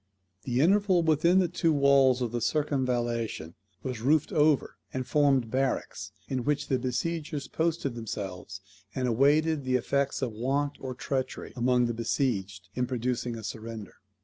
The interval within the two walls of the circumvallation was roofed over, and formed barracks, in which the besiegers posted themselves, and awaited the effects of want or treachery among the besieged in producing a surrender.